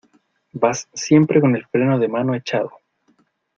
vas siempre con el freno de mano echado